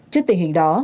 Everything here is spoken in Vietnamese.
trước tình hình đó